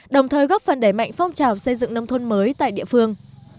đồng thời góp phần đẩy mạnh phong trào xây dựng nông thôn mới tại địa phương